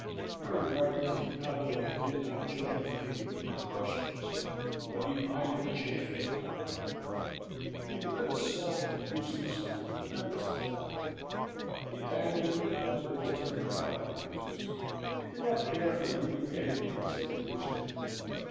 Harry Warrington not only did not join the King of the Borussians, but he pined and chafed at not going. He led a sulky useless life, that is the fact. He dangled about the military coffee houses. He did not care for reading anything save a newspaper.